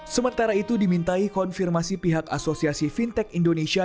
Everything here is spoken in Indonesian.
sementara itu dimintai konfirmasi pihak asosiasi fintech indonesia